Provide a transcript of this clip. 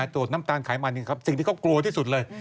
ตรวจน้ำตาลไขมันสิ่งที่เขากลัวที่สุดเลย